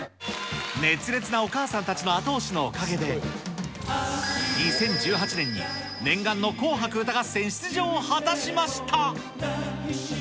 熱烈なお母さんたちの後押しのおかげで、２０１８年に念願の紅白歌合戦出場を果たしました。